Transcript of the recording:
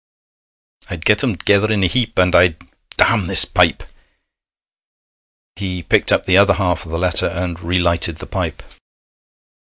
'I'd get 'em 'gether in a heap, and I'd Damn this pipe!' He picked up the other half of the letter, and relighted the pipe.